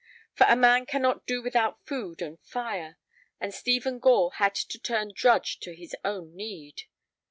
For a man cannot do without food and fire, and Stephen Gore had to turn drudge to his own need.